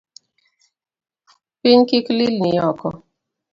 Piny kik lilni oko